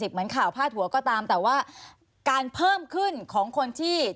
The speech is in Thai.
เหมือนข่าวพาดหัวก็ตามแต่ว่าการเพิ่มขึ้น